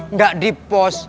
nggak di pos